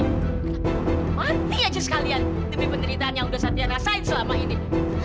tapi mati aja sekalian demi penderitaan yang udah satria rasain selama ini